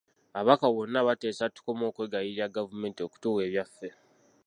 Ababaka bonna baateesa tukome okwegayirira gavumenti okutuwa ebyaffe.